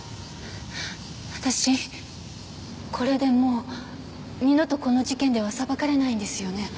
私これでもう二度とこの事件では裁かれないんですよね？